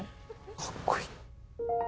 かっこいい。